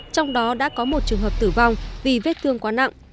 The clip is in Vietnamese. trong đó đã có một trường hợp tử vong vì vết thương quá nặng